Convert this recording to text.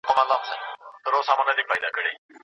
فعال چاپېريال زده کړه آسانه کوي.